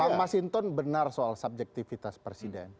pak mas hinton benar soal subjektivitas presiden